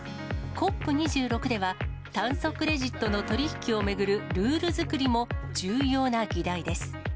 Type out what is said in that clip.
ＣＯＰ２６では、炭素クレジットの取り引きを巡るルール作りも重要な議題です。